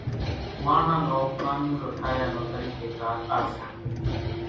ماڻۿان نو ڪانوڙو ٺاھيا نو طريقي ڪار آ سي